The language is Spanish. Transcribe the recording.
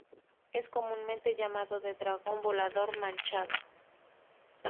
Es comúnmente llamado the Dragón Volador Manchado.